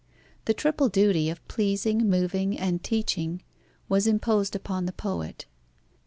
The triple duty of pleasing, moving, and teaching, was imposed upon the poet.